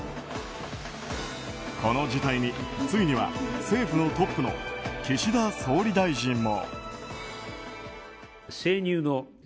この事態についには政府のトップの岸田総理大臣も。